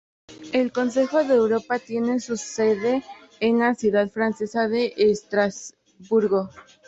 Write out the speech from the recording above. El Consejo de Europa tiene su sede en la ciudad francesa de Estrasburgo.